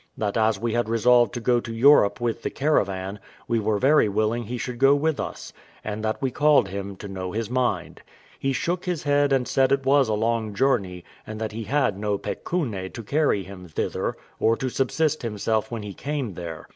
That as we had resolved to go to Europe with the caravan, we were very willing he should go with us; and that we called him to know his mind. He shook his head and said it was a long journey, and that he had no pecune to carry him thither, or to subsist himself when he came there.